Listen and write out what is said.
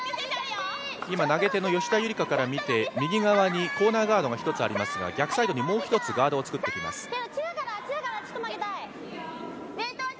今、投げ手の吉田夕梨花から見て右側にコーナーガードが１つありますが、逆サイドにもう一つガードを作ってきます。